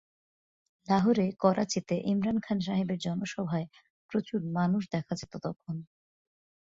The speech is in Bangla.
লাহোরে, করাচিতে ইমরান খান সাহেবের জনসভায় প্রচুর মানুষ দেখা যেত তখন।